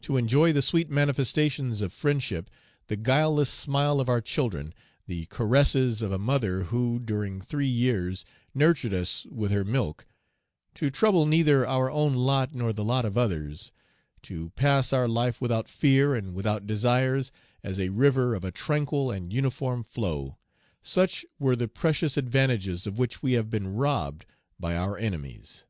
To enjoy the sweet manifestations of friendship, the guileless smile of our children, the caresses of a mother who, during three years, nurtured us with her milk; to trouble neither our own lot nor the lot of others; to pass our life without fear and without desires, as a river of a tranquil and uniform flow, such were the precious advantages of which we have been robbed by our enemies."